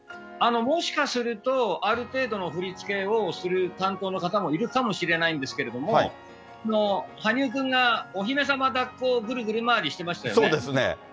もしかすると、ある程度の振り付けをする担当の方もいるかもしれないんですけれども、羽生君がお姫様だっこ、ぐるぐる回りしてましたよね。